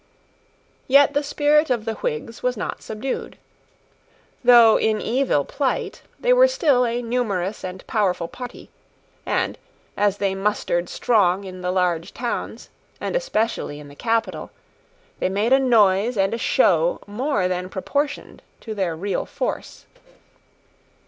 Yet the spirit of the Whigs was not subdued. Though in evil plight, they were still a numerous and powerful party; and as they mustered strong in the large towns, and especially in the capital, they made a noise and a show more than proportioned to their real force.